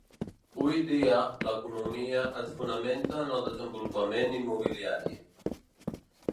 Hui dia, l'economia es fonamenta en el desenvolupament immobiliari.